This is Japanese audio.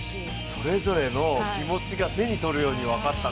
それぞれの気持ちが手に取るように分かった。